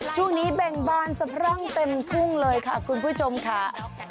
ช่วงนี้เบ่งบานสะพรั่งเต็มทุ่งเลยค่ะคุณผู้ชมค่ะ